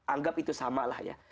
anggap itu sama lah ya